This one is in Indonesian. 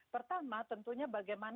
pertama tentunya bagaimana itu awalnya